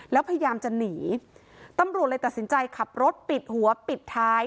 แล้วพยายามจะหนีตำรวจเลยตัดสินใจขับรถปิดหัวปิดท้าย